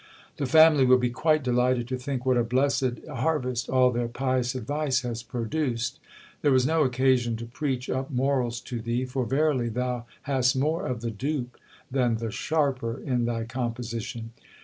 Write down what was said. The family will be quite delighted to think what a blessed harvest all their pious advice has pro duced. There was no occasion to preach up morals to thee ; for verily thou hast more of the dupe than the sharper in thy composition.